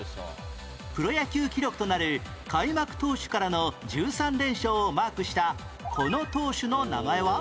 プロ野球記録となる開幕投手からの１３連勝をマークしたこの投手の名前は？